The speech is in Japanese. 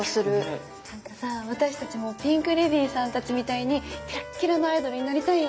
なんかさ私たちもピンク・レディーさんたちみたいにキラッキラのアイドルになりたいよね。